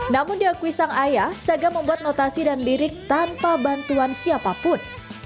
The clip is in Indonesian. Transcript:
namun diakui sang ayah saga membuat notasi dan lirik tanpa bantuan siapapun